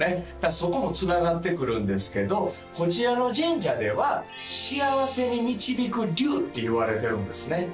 そこもつながってくるんですけどこちらの神社ではっていわれてるんですね